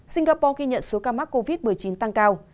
singapore ghi nhận số ca mắc covid một mươi chín tăng cao